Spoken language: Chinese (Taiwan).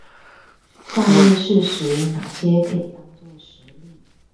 下列事實，那些可以當作實例？